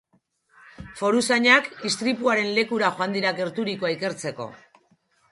Foruzainak istripuaren lekura joan dira gertaturikoa ikertzeko.